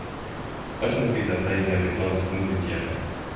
What movies are playing at the closest movie theatre